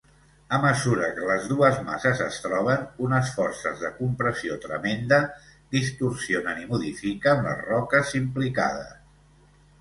A mesura que les dues masses es troben, unes forces de compressió tremenda distorsionen i modifiquen les roques implicades.